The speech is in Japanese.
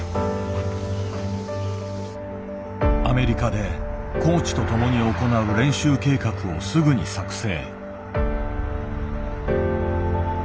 アメリカでコーチと共に行う練習計画をすぐに作成。